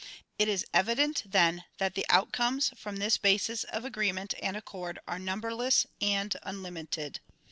It is evident then that the outcomes from this basis of agreement and accord are number less and unlimited.